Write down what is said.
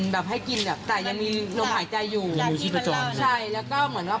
แบบให้กินแบบแต่ยังมีลมหายใจอยู่ใช่แล้วก็เหมือนว่า